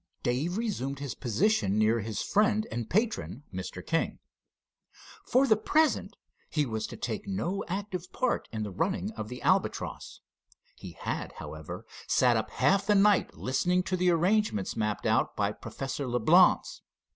Dave resumed his position near his friend and patron, Mr. King. For the present he was to take no active part in running the Albatross. He had, however, sat up half the night listening to the arrangements mapped out by Professor Leblance.